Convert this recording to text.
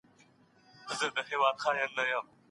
د نجلۍ د مور اخلاق بايد بد نه وي.